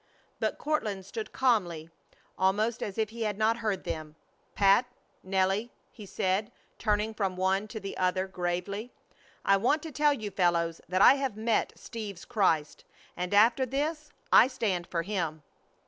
But Courtland stood calmly, almost as if he had not heard them. "Pat, Nelly," he said, turning from one to the other gravely, "I want to tell you fellows that I have met Steve's Christ and after this I stand for Him!"